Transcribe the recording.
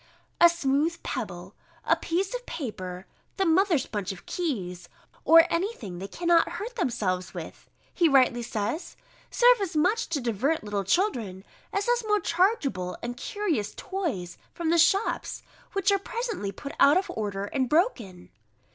"A smooth pebble, a piece of paper, the mother's bunch of keys, or any thing they cannot hurt themselves with," he rightly says, "serve as much to divert little children, as those more chargeable and curious toys from the shops, which are presently put out of order, and broken."